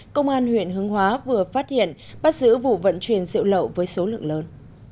công an huyện hướng hóa vừa phát hiện bắt giữ vụ vận chuyển rượu lậu với số lượng lớn